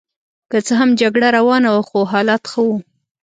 که څه هم جګړه روانه وه خو حالات ښه وو.